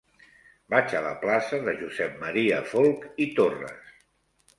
Vaig a la plaça de Josep M. Folch i Torres.